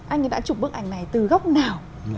anh ấy đã chụp bức ảnh này từ góc nào